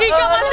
ika masih hidup